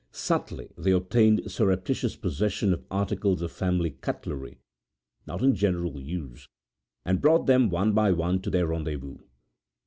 Subtly they obtained surreptitious possession of articles of family cutlery not in general use, and brought them one by one to their rendezvous.